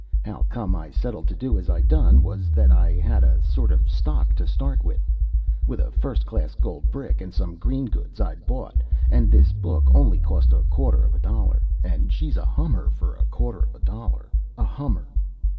How come I settled to do as I done was that I had a sort of stock to start with, with a fust class gold brick, and some green goods I'd bought; and this book only cost a quatter of a dollar. And she's a hummer for a quatter of a dollar! A hummer!"